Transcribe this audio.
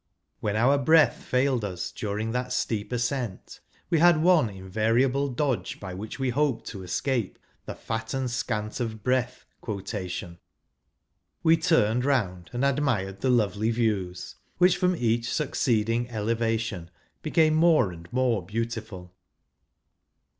When our breath failed us during that steep ascent, we had one invariable dodge by which we hoped to escape the "fat and, scant of breath " quotation ; we turned round and admired the lovely views, which from each succeeding elevation became more and more beautiful.